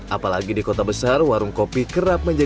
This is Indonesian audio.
apalagi di kota besar warung kopi kerap menjadi